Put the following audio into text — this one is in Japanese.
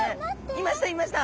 いましたいました！